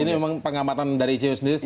ini memang pengamatan dari icw sendiri